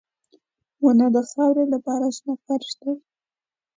• ونه د خاورو لپاره شنه فرش دی.